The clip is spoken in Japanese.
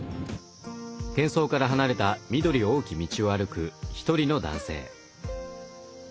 けん騒から離れた緑多き道を歩く１人の男性。